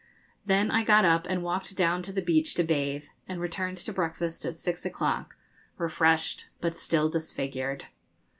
Then I got up and walked down to the beach to bathe, and returned to breakfast at six o'clock, refreshed but still disfigured.